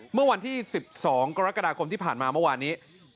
เมื่อวันที่๑๒กรกฎาคมที่ผ่านมาเมื่อวานนี้